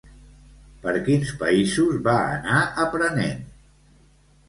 Per quins països va anar aprenent?